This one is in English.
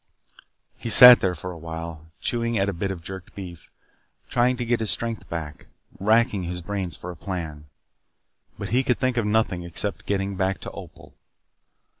He sat there for a while, chewing at a bit of jerked beef, trying to get his strength back, racking his brains for a plan. But he could think of nothing except getting back to Opal.